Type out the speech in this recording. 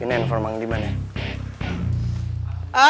ini handphone emang diman ya